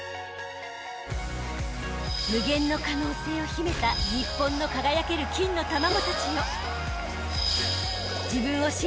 ［無限の可能性を秘めた日本の輝ける金の卵たちよ］